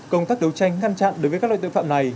công tác đấu tranh ngăn chặn đối với các loại tội phạm này